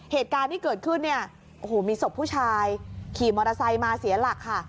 เหตุการณ์ที่เกิดขึ้นเนี่ยโอ้โหมีศพผู้ชายขี่มอเตอร์ไซค์มาเสียหลักค่ะ